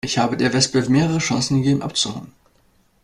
Ich habe der Wespe mehrere Chancen gegeben, abzuhauen.